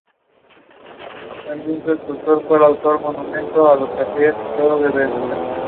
Este grupo representa una nueva dirección que defiende a la fotografía no manipulada.